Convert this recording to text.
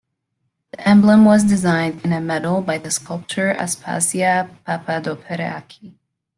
The emblem was designed in a medal by the sculptor Aspasia Papadoperaki.